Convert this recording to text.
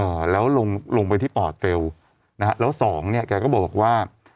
เอ่อแล้วลงไปที่ออร์เตลนะฮะแล้ว๒เนี่ยแกก็บอกว่า